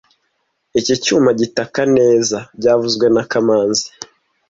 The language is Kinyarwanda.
Iki cyuma gikata neza byavuzwe na kamanzi